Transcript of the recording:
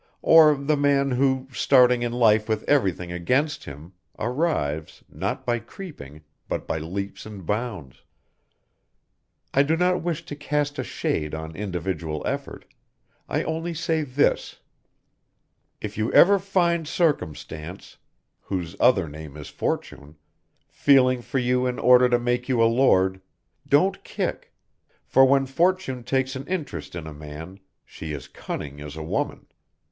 Or the man who, starting in life with everything against him, arrives, not by creeping, but by leaps and bounds. I do not wish to cast a shade on individual effort; I only say this: If you ever find Circumstance, whose other name is Fortune, feeling for you in order to make you a lord, don't kick, for when Fortune takes an interest in a man, she is cunning as a woman.